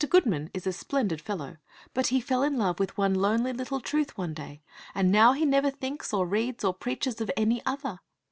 Goodman is a splendid fellow; but he fell in love with one lonely little truth one day, and now he never thinks or reads or preaches of any other.